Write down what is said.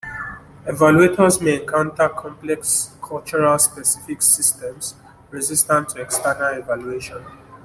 Evaluators may encounter complex, culturally specific systems resistant to external evaluation.